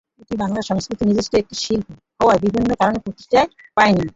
এটি বাংলা সংস্কৃতির নিজস্ব একটি শিল্প হয়েও বিভিন্ন কারণে প্রতিষ্ঠা পায়নি।